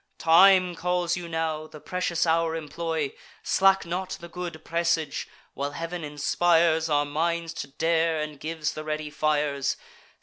Time calls you now; the precious hour employ: Slack not the good presage, while Heav'n inspires Our minds to dare, and gives the ready fires.